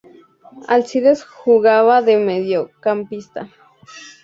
Alcides jugaba de mediocampista.